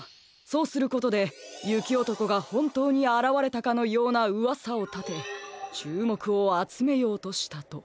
そうすることでゆきおとこがほんとうにあらわれたかのようなうわさをたてちゅうもくをあつめようとしたと。